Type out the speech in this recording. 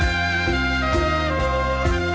จะใช้หรือไม่ใช้ครับ